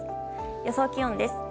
予想気温です。